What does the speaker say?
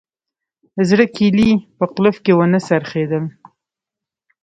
زړه کیلي په قلف کې ونه څرخیدل